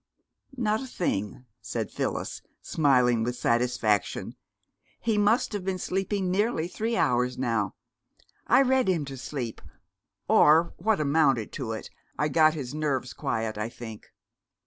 "Not a thing," said Phyllis, smiling with satisfaction. "He must have been sleeping nearly three hours now! I read him to sleep, or what amounted to it. I got his nerves quiet, I think.